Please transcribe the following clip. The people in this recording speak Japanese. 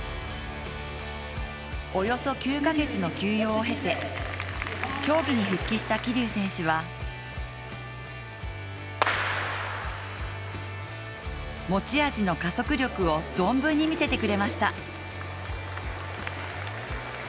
およそ９か月の休養を経て競技に復帰した桐生選手は持ち味の加速力を存分に見せてくれました。